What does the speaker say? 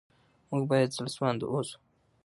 موږ باید زړه سوانده اوسو.